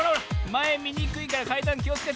まえみにくいからかいだんきをつけて。